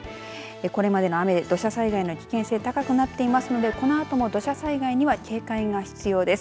これまでの雨で土砂災害の危険性が高まっていますから、このあとも土砂災害には警戒が必要です。